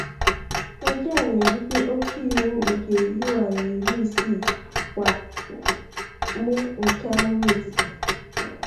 Nke a na-ebute oke iwu nke yuan iri isii kwa mu nke amụma etiti.